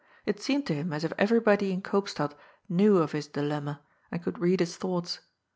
It seemed to him as if everybody in Koopstad knew of his dilemma, and could read his thoughts.